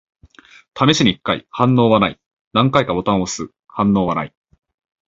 試しに一回。反応はない。何回かボタンを押す。反応はない。